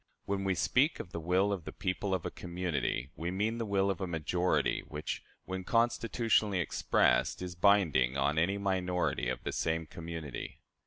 When we speak of the will of the people of a community, we mean the will of a majority, which, when constitutionally expressed, is binding on any minority of the same community.